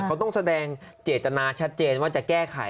เขาต้องแสดงเจตนาชัดเจนว่าจะแก้ไข